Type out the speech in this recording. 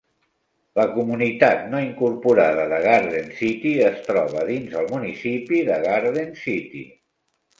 La comunitat no incorporada de Garden City es troba dins el municipi de Garden City.